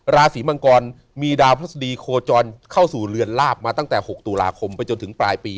ราศีมังกรมีดาวพระศดีโคจรเข้าสู่เรือนลาบมาตั้งแต่๖ตุลาคมไปจนถึงปลายปี